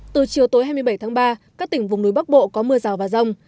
từ chiều tối hai mươi bảy tháng ba các tỉnh vùng núi bắc bộ có mưa rào và rông